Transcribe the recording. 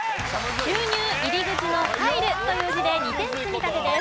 収入入口の「入」という字で２点積み立てです。